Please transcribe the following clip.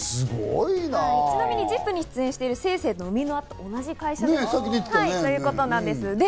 ちなみに『ＺＩＰ！』に出演している星星の生みの親と同じ会社ということですね。